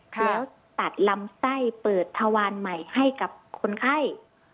แล้วตัดลำไส้เปิดทวารใหม่ให้กับคนไข้